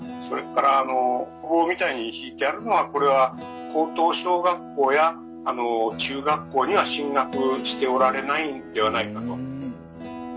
それからあの棒みたいに引いてあるのはこれは高等小学校や中学校には進学しておられないんではないかと。